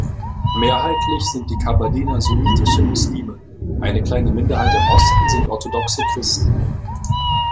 Mehrheitlich sind die Kabardiner sunnitische Muslime, eine kleine Minderheit im Osten sind orthodoxe Christen.